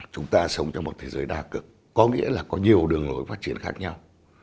chúng ta sống trong một thế giới đa cực có nghĩa là có nhiều đường lối phát triển khác nhau